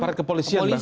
aparat kepolisian bahkan